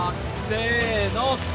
せの！